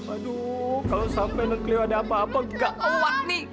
aduh kalau sampai tante cleo ada apa apa enggak awat nih